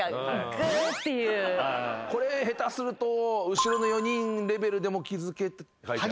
これ下手すると後ろの４人レベルでも気付けた。